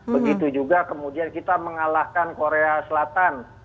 begitu juga kemudian kita mengalahkan korea selatan